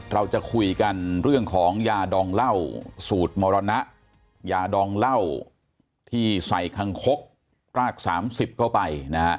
เราจะคุยกันเรื่องของยาดองเหล้าสูตรมรณะยาดองเหล้าที่ใส่คังคกราก๓๐เข้าไปนะฮะ